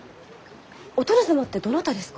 お殿様ってどなたですか？